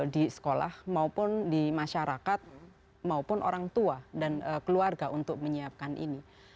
di sekolah maupun di masyarakat maupun orang tua dan keluarga untuk menyiapkan ini